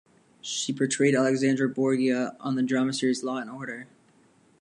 She portrayed Alexandra Borgia on the drama series "Law and Order".